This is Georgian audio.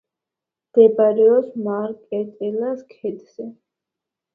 მდებარეობს მაკრატელას ქედზე.